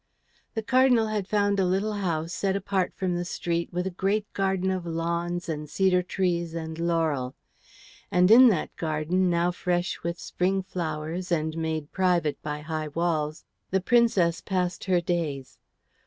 The Cardinal had found a little house set apart from the street with a great garden of lawns and cedar trees and laurels; and in that garden now fresh with spring flowers and made private by high walls, the Princess passed her days.